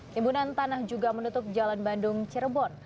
timbunan tanah juga menutup jalan bandung cirebon